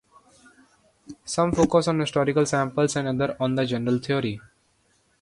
Some focus on historical examples, and others on general theory.